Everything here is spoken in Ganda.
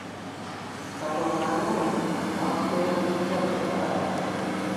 Katonda anoonya w'akuteera omukisa gwo talabawo.